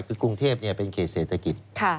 คือกรุงเทพเป็นเขตเศรษฐกิจ